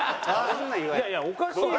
いやいやおかしい。